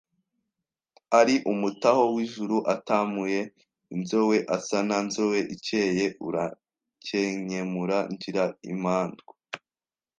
Ari umutaho w’ijuru Atamuye inzoe Asa na Nzoe ikeye urakenkemura Ngira imandwa